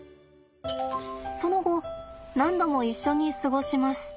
その後何度も一緒に過ごします。